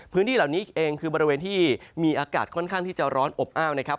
พื้นที่เหล่านี้เองคือบริเวณที่มีอากาศค่อนข้างที่จะร้อนอบอ้าวนะครับ